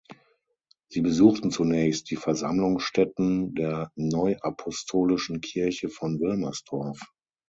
Sie besuchten zunächst die Versammlungsstätten der Neuapostolischen Kirche von Wilmersdorf.